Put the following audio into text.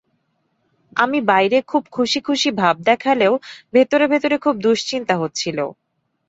আমি বাইরে খুব খুশী খুশী ভাব দেখালেও ভেতরে ভেতরে খুব দুশ্চিন্তা হচ্ছিল।